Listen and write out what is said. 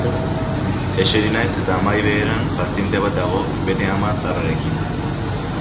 Eseri naiz eta mahai berean paziente bat dago bere ama zaharrarekin.